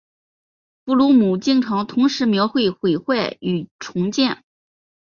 布鲁姆经常同时描绘毁坏与重建。